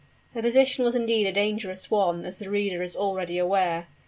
Her position was indeed a dangerous one as the reader is already aware.